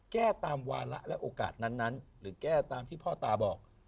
แก้ตามวาระและโอกาสนั้นหรือแก้ตามที่พ่อตาบอก